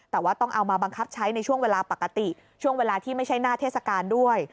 แต่ว่าต้องเอามาบังคับใช้ในช่วงเวลาปกติช่วงเวลาที่ไม่ใช่หน้าเทศกาลด้วย